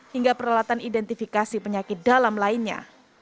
hingga peralatan identifikasi penyakit dalam lainnya